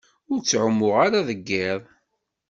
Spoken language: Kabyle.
Ur ttɛumuɣ ara deg iḍ.